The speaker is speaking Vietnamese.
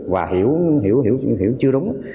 và hiểu hiểu hiểu hiểu chưa đúng